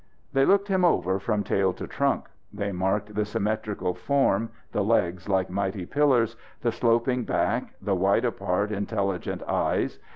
They looked him over from tail to trunk. They marked the symmetrical form, the legs like mighty pillars, the sloping back, the wide apart, intelligent eyes.